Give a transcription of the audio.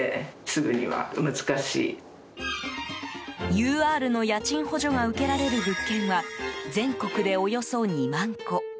ＵＲの家賃補助が受けられる物件は全国でおよそ２万戸。